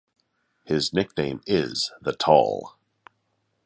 His nickname is "The Tall".